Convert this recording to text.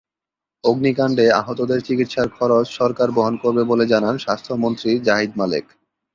অগ্নিকাণ্ডে আহতদের চিকিৎসার খরচ সরকার বহন করবে বলে জানান স্বাস্থ্যমন্ত্রী জাহিদ মালেক।